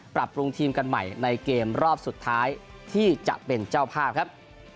ปรับปรุงทีมกันใหม่ในเกมรอบสุดท้ายที่จะเป็นเจ้าภาพครับ